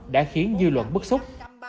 đã khiến dư luận bức xúc